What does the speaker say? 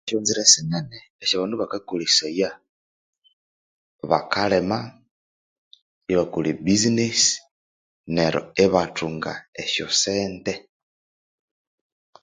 Esyonzira sinene esya abandu bakakolesaya: bakalima, ibakolha e buzinesi, neryo ibathunga esyosente.